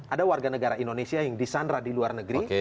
ada warga negara indonesia yang disandra di luar negeri